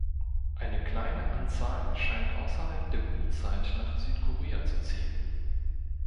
Eine kleine Anzahl scheint außerhalb der Brutzeit nach Südkorea zu ziehen.